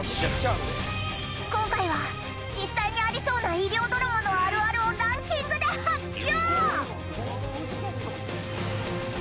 今回は実際にありそうな医療ドラマのあるあるをランキングで発表。